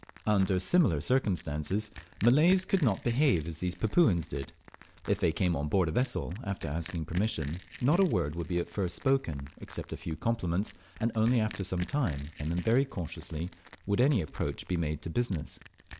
Under similar circumstances Malays could not behave as these Papuans did. If they came on board a vessel (after asking permission), not a word would be at first spoken, except a few compliments, and only after some time, and very cautiously, world any approach be made to business.